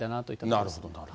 なるほど。